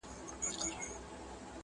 هر یوه خپل په وار راوړي بربادې وې دلته!.